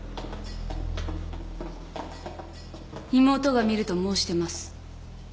妹が見ると申してます。